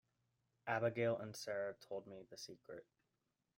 Abigail and Sara told me the secret.